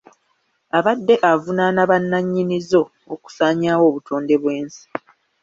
Abadde avunaana bannannyini zo okusaanyaawo obutonde bw'ensi.